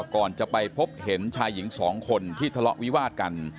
ก่อนจะไปพบเห็นชายหญิงสองคนที่ทะเลาะวิวาดกัน